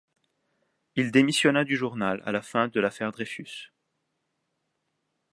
Il démissionna du journal à la fin de l'affaire Dreyfus.